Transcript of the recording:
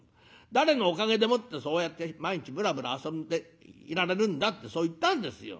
『誰のおかげでもってそうやって毎日ぶらぶら遊んでいられるんだ』ってそう言ったんですよ。